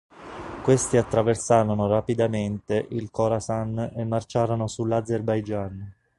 Questi attraversarono rapidamente il Khorasan e marciarono sull'Azerbaigian.